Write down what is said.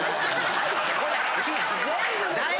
入ってこなくていい。